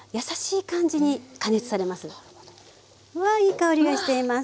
うわいい香りがしています。